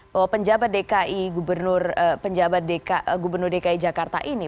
bahwa penjabat dki gubernur dki jakarta ini